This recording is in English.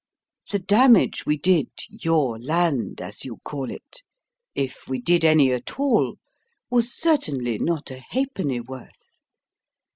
The damage we did your land, as you call it if we did any at all was certainly not a ha'pennyworth.